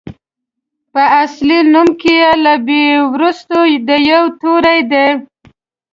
په اصلي نوم کې له بي وروسته د يوو توری دی.